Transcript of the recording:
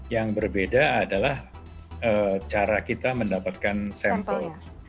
yang berbeda adalah cara kita mendapatkan sampel